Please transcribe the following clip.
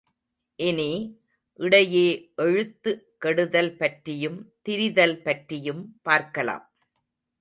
இனி, இடையே எழுத்து கெடுதல் பற்றியும் திரிதல் பற்றியும் பார்க்கலாம்.